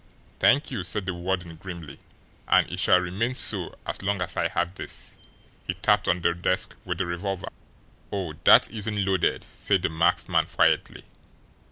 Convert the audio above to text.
"Thank you," said the warden grimly, "and it shall remain so as long as I have this." He tapped on the desk with the revolver. "Oh, that isn't loaded," said the masked man quietly.